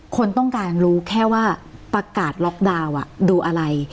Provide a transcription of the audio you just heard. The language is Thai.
คนต้องการรู้แค่ว่าประกาศล็อกดาวน์ดูอะไร